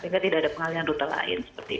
sehingga tidak ada pengalihannya